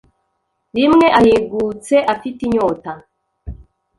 rimwe ahigutse afite inyota